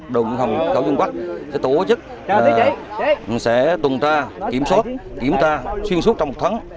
đồng biên phòng cảo dương quắc tổ chức sẽ tuần tra kiểm soát kiểm tra xuyên suốt trong một tháng